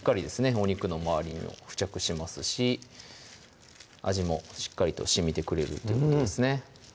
お肉の周りにも付着しますし味もしっかりとしみてくれるってことですね